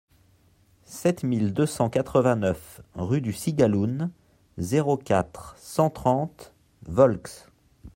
sept mille deux cent quatre-vingt-neuf rue du Cigaloun, zéro quatre, cent trente Volx